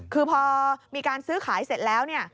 คือพอมีการซื้อขายเสร็จแล้วเนี่ย